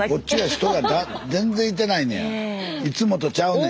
スタジオいつもとちゃうねん。